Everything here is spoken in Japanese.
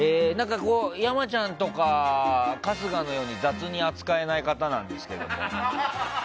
山ちゃんとか春日のように雑に扱えない方なんですけども。